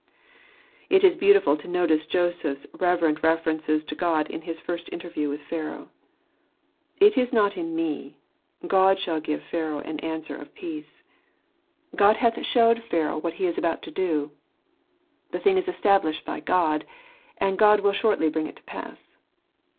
It is beautiful to notice Joseph's reverent references to God in his first interview with Pharaoh. " It is_no£ in.me : God shall give Pharaoh an answer of peace." "God hath "Jilt ^ttstaer trf Jiaa/* 7 1 showed Pharaoh what He is about to do." "The thing is established by God ; and God will shortly bring it to pass."